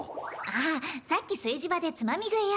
あっさっき炊事場でつまみ食いを。